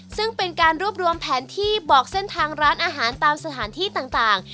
ซึ่งเป็นการรวบรวมแผนที่บอกเส้นทางร้านอาหารตามสถานที่ต่าง